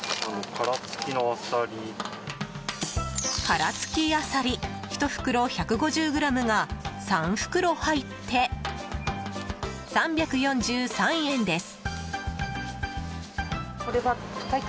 殻付あさり１袋１５０ｇが３袋入って３４３円です。